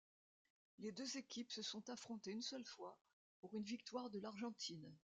Les deux équipes se sont affrontées une seule fois pour une victoire de l'Argentine.